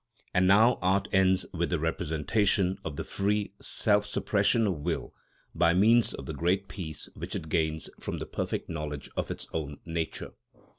And now art ends with the representation of the free self suppression of will, by means of the great peace which it gains from the perfect knowledge of its own nature.